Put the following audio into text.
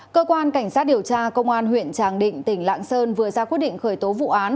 cơ quan cảnh sát điều tra công an huyện tràng định tỉnh lạng sơn vừa ra quyết định khởi tố vụ án